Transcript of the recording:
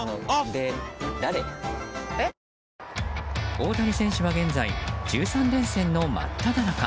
大谷選手は現在、１３連戦の真っただ中。